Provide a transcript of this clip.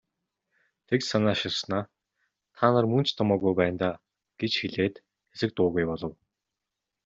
Тэгж санааширснаа "Та нар мөн ч томоогүй байна даа" гэж хэлээд хэсэг дуугүй болов.